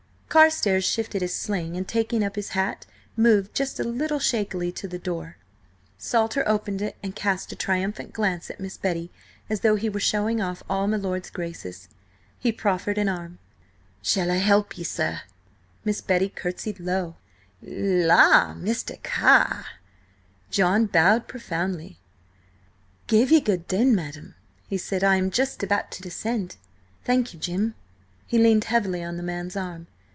Carstares shifted his sling, and taking up his hat, moved just a little shakily to the door. Salter opened it, and cast a triumphant glance at Miss Betty, as though he were showing off all my lord's graces. He proffered an arm. "Shall I help ye, sir?" Miss Betty curtsied low. "La, Mr. Carr!" John bowed profoundly. "Give ye good den, madam," he said. "I am just about to descend. Thank you, Jim." He leaned heavily on the man's arm.